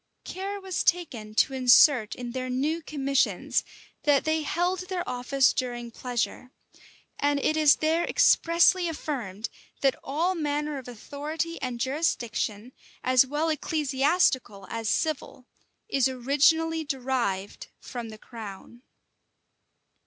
Care was taken to insert in their new commissions, that they held their office during pleasure:[] and it is there expressly affirmed, that all manner of authority and jurisdiction, as well ecclesiastical as civil, is originally derived from the crown.